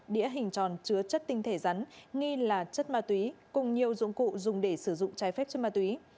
đĩa hình tròn chứa chất tinh thể rắn nghi là chất ma túy cùng nhiều dụng cụ dùng để sử dụng trái phép chất ma túy